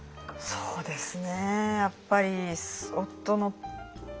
そうですか。